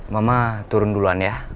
mama turun duluan ya